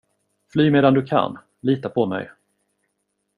Fly medan du kan, lita på mig.